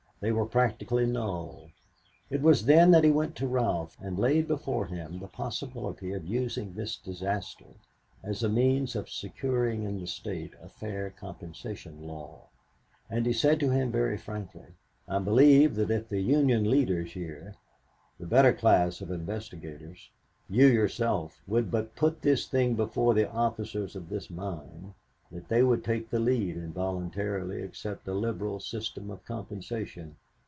They were practically null. It was then that he went to Ralph and laid before him the possibility of using this disaster as a means of securing in the State a fair compensation law. And he said to him very frankly, "I believe that if the Union leaders here, the better class of investigators, you yourself, would but put this thing before the officers of this mine, that they would take the lead and voluntarily accept a liberal system of compensation.